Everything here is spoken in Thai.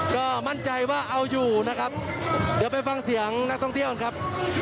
ก็มั่นใจว่าเอาอยู่นะครับเดี๋ยวไปฟังเสียงนักท่องเที่ยวกันครับ